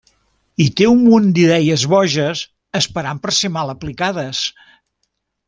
I té un munt d'idees boges esperant per ser mal aplicades.